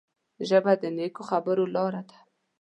ژبه د نیکو خبرو لاره ده